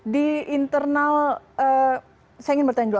di internal saya ingin bertanya dulu